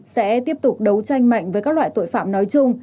sẽ tiếp tục đấu tranh mạnh với các loại tội phạm nói chung